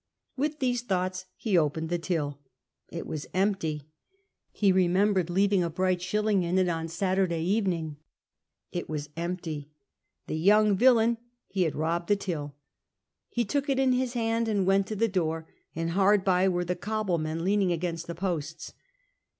With these thoughts he opened the till. It w'as empty. He remembered leaving a bright shilling in it on Saturday I MR. SANDERSON IS evening. It was empty. The young villain — ^he had robbed the till. He took it in his hand and went to the door ; hard by were the coble men Iciining against the posts.